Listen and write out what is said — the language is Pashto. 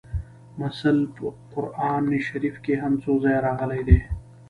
مثل په قران شریف کې هم څو ځایه راغلی دی